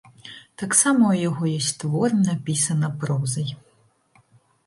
Таксама ў яго ёсць твор напісана прозай.